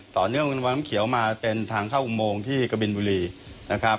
ต่อเนื่องเป็นวังน้ำเขียวมาเป็นทางเข้าอุโมงที่กะบินบุรีนะครับ